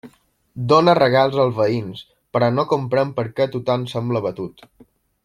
Dóna regals als veïns, però no comprèn per què tothom sembla abatut.